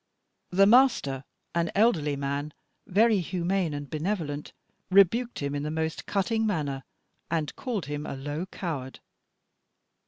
The master, an elderly man, very humane and benevolent, rebuked him in the most cutting manner, and called him a low coward.